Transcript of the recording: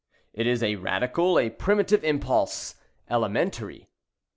It is a radical, a primitive impulse—elementary.